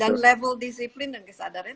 dan level discipline dan kesadarannya